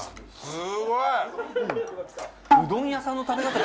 すごい！